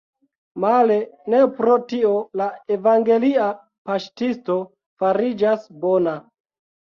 Male, ne pro tio la evangelia paŝtisto fariĝas bona.